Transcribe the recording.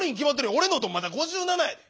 俺のおとんまだ５７や。